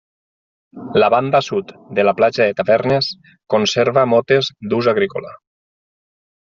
La banda sud de la platja de Tavernes conserva motes d'ús agrícola.